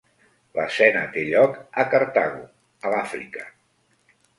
L'escena té lloc a Cartago a l'Àfrica.